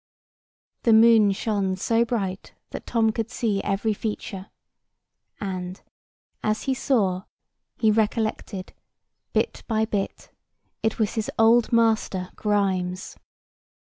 The moon shone so bright that Tom could see every feature; and, as he saw, he recollected, bit by bit, it was his old master, Grimes.